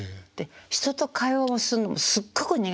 人と会話をすんのもすっごく苦手で。